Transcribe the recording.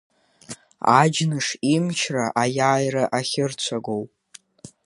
Аџьныш имчра аиааира ахьырцәаго…